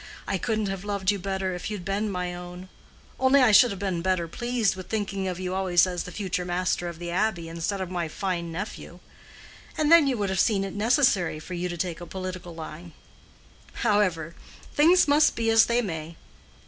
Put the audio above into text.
I couldn't have loved you better if you'd been my own—only I should have been better pleased with thinking of you always as the future master of the Abbey instead of my fine nephew; and then you would have seen it necessary for you to take a political line. However—things must be as they may."